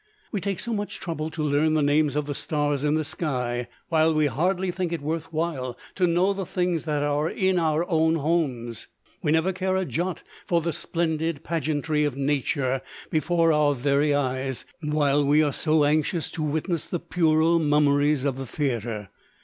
We take so much trouble to learn the names of the stars in the sky, while we hardly think it worth while to know the things that are in our own homes! We never care a jot for the splendid pageantry of Nature before our very eyes, while we are so anxious to witness the puerile mummeries of the theatre!